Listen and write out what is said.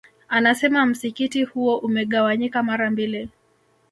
Anasema msikiti huo umegawanyika mara mbili